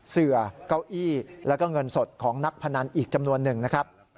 เสือเก้าอี้แล้วก็เงินสดของนักพนันอีกจำนวนหนึ่งนะครับ